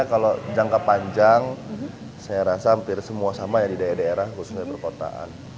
kalau jangka panjang saya rasa hampir semua sama ya di daerah daerah khususnya di perkotaan